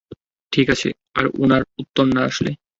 ঠিক আছে, আর উনার উত্তর না আসলে?